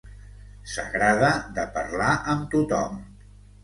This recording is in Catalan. S'agrada de parlar amb tothom.